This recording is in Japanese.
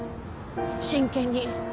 真剣に。